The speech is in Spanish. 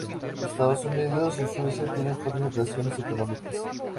Los Estados Unidos y Suecia tienen fuertes relaciones económicas.